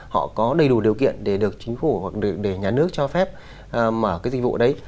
họ có đầy đủ điều kiện để được chính phủ hoặc để nhà nước cho phép mở cái dịch vụ đấy